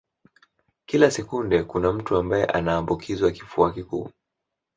Kila sekunde kuna mtu ambaye anaambukizwa kifua kikuu